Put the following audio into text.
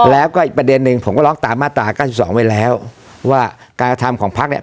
แล้วก็อีกประเด็นหนึ่งผมก็ร้องตามมาตราเก้าสิบสองไว้แล้วว่าการกระทำของพักเนี่ย